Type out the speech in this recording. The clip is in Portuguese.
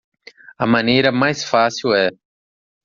A maneira mais fácil é